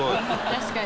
確かに。